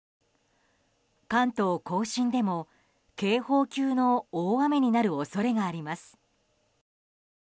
関東・甲信でも、警報級の大雨になる恐れがあります。